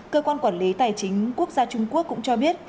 cơ quan quản lý tài chính quốc gia trung quốc cũng cho biết